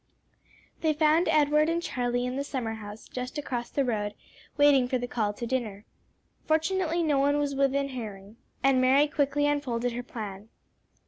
They found Edward and Charlie in the summer house, just across the road, waiting for the call to dinner. Fortunately no one was within hearing, and Mary quickly unfolded her plan.